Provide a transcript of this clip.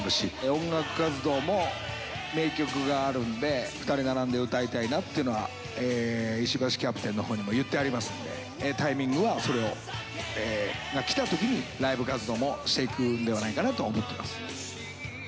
音楽活動も、名曲があるんで、２人並んで歌いたいなっていうのは、石橋キャプテンのほうにも言ってありますので、タイミングは、それが来たときにライブ活動もしていくんではないかなと思ってます。